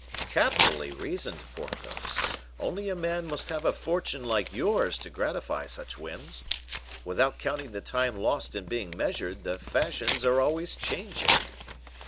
"Capitally reasoned, Porthos only a man must have a fortune like yours to gratify such whims. Without counting the time lost in being measured, the fashions are always changing."